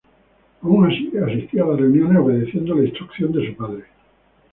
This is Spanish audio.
Aun así asistía a las reuniones, obedeciendo la instrucción de su padre.